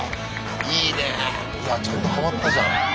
いいねえいやちゃんとハマったじゃん。